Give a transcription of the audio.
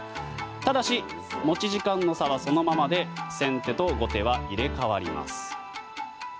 ただし、持ち時間の差はそのままで、先手と後手は入れ替わります。